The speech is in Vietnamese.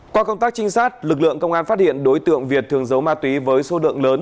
qua công tác trinh sát lực lượng công an phát hiện đối tượng việt thường giấu ma túy với số lượng lớn